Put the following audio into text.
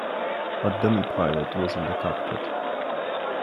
A dummy pilot was in the cockpit.